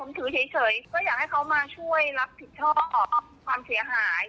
ถือเฉยก็อยากให้เขามาช่วยรับผิดชอบความเสียหาย